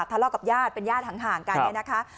ทะเลากับญหาดเป็นญาติห่างกันนะครับ